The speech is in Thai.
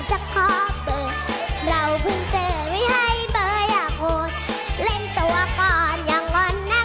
ขายยังไงอ่ะกัลไปขายยังไง